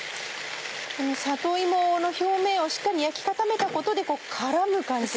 この里芋の表面をしっかり焼き固めたことで絡む感じが。